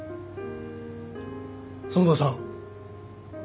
園田さん。